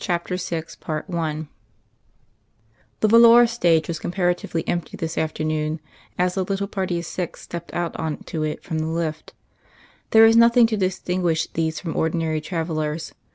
CHAPTER VI I The volor stage was comparatively empty this afternoon, as the little party of six stepped out on to it from the lift. There was nothing to distinguish these from ordinary travellers.